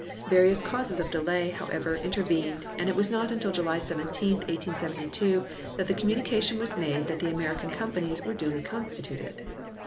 Various causes of delay, however, intervened, and it was not until July 17, 1872, that the communication was made that the American Companies were duly constituted.